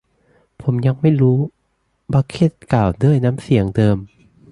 ผมยังไม่รู้ บัคเค็ตกล่าวด้วยน้ำเสียงเดิม